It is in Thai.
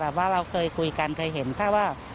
ว่าเราเคยคุยกันเคยเห็นถ้าว่า